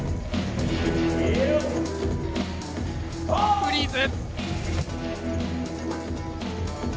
フリーズ。